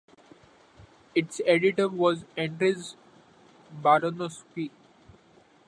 Its editor was Andrzej Baranowski.